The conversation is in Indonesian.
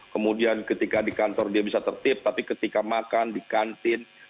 kemudian ketika di kantor dia bisa tertip tapi ketika makan di kantin